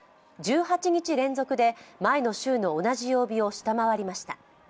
１８日連続で前の週の同じ曜日を下回りました。